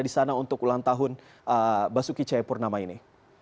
di sana untuk ulang tahun basuki cahayapurnama ini